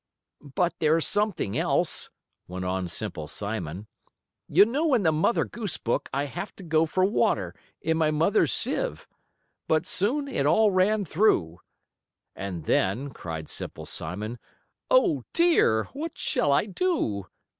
"But there's something else," went on Simple Simon. "You know in the Mother Goose book I have to go for water, in my mother's sieve. But soon it all ran through." And then, cried Simple Simon, "Oh, dear, what shall I do?"